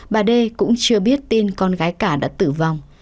bà đê cũng chưa biết tin con gái cả đã tử vong